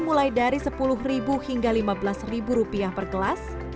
mulai dari sepuluh hingga lima belas rupiah per gelas